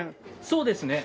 そうですね。